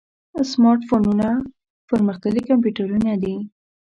سمارټ فونونه پرمختللي کمپیوټرونه دي.